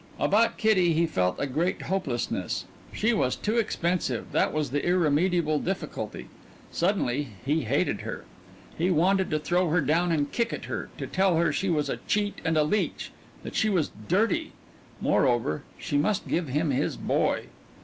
About Kitty he felt a great hopelessness. She was too expensive that was the irremediable difficulty. Suddenly he hated her. He wanted to throw her down and kick at her to tell her she was a cheat and a leech that she was dirty. Moreover, she must give him his boy.